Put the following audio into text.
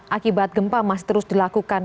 akibat gempa masih terus dilakukan